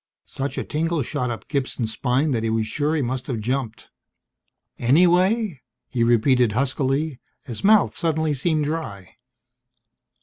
Such a tingle shot up Gibson's spine that he was sure he must have jumped. "Anyway?" he repeated huskily. His mouth suddenly seemed dry.